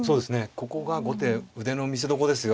ここが後手腕の見せどころですよ